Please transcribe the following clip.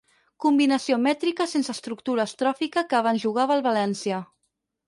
Combinació mètrica sense estructura estròfica que abans jugava al València.